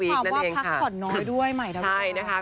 ดิฉันเข้าเรื่องความว่าพักผ่อนน้อยด้วยใหม่ดาวิกาใช่นะคะ